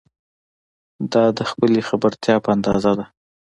دا د خپلې خبرتیا په اندازه ده.